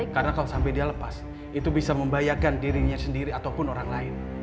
karena kalau sampai dia lepas itu bisa membayangkan dirinya sendiri ataupun orang lain